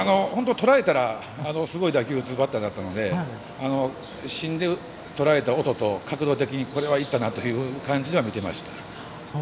とらえたらすごい打球を打つバッターなので芯でとらえた音と角度的にこれは、いったなという感じで見ていました。